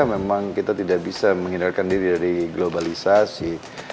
memang kita tidak bisa menghindarkan diri dari globalisasi